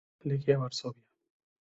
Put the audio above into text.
Legia Varsovia